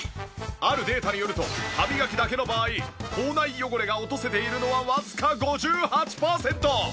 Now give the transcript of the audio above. あるデータによると歯磨きだけの場合口内汚れが落とせているのはわずか５８パーセント。